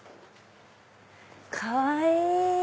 かわいい！